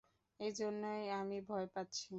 এজন্যই আমি ভয় পাচ্ছি।